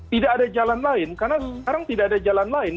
tidak ada jalan lain karena sekarang tidak ada jalan lain